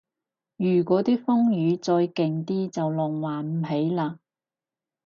如嗰啲風雨再勁啲就浪漫唔起嘞